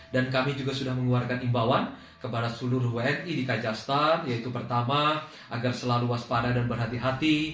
kami juga sudah mengeluarkan imbauan kepada seluruh wni di kajastan yaitu pertama agar selalu waspada dan berhati hati